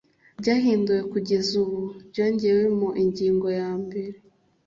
ryahinduwe kugeza ubu ryongewemo ingingo yambere